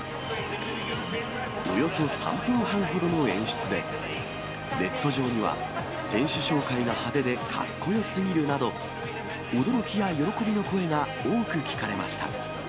およそ３分半ほどの演出で、ネット上には、選手紹介が派手でかっこよすぎるなど、驚きや喜びの声が多く聞かれました。